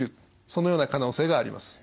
そのような可能性があります。